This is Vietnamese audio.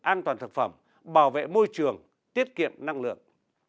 an toàn thực phẩm bảo vệ môi trường tiết kiệm năng lượng